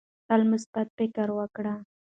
تل مثبت فکر وکړئ.